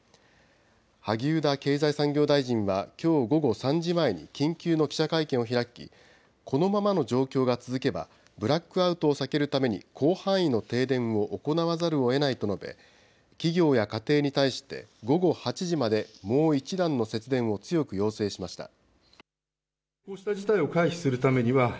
萩生田経済産業大臣は、きょう午後３時前に緊急の記者会見を開き、このままの状況が続けば、ブラックアウトを避けるために、広範囲の停電を行わざるをえないと述べ、企業や家庭に対して、午後８時までもう一段の節電を強く要請しました。